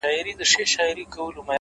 مثبت ذهن پر امکاناتو باور لري,